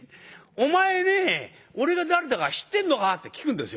「お前ね俺が誰だか知ってんのか？」って聞くんですよ。